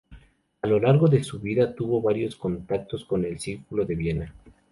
A lo largo de su vida tuvo varios contactos con el Círculo de Viena.